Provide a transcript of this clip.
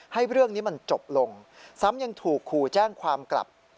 ให้เรื่องนี้มันจบลงซ้ำยังถูกขู่แจ้งความกลับ